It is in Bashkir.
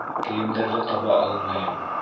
Кейемдәрҙе таба алмайым!